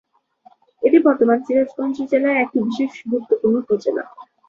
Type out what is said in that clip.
এটি বর্তমানে সিরাজগঞ্জ জেলার একটি বিশেষ গুরুত্বপূর্ণ উপজেলা।